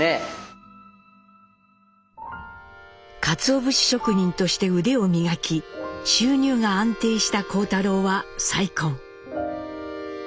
かつお節職人として腕を磨き収入が安定した幸太郎は再婚。